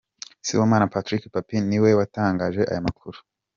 Sibomana Patrick Pappy ni we watangaje aya makuru.